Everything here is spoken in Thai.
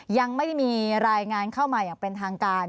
ยังไม่ได้มีรายงานเข้ามาอย่างเป็นทางการ